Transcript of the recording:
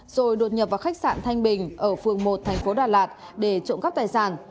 rồi đột nhập vào khách sạn thanh bình ở phường một tp đà lạt để trộm cấp tài sản